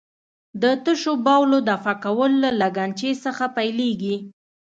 د تشو بولو دفع کول له لګنچې څخه پیلېږي.